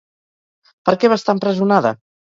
Per què va estar empresonada?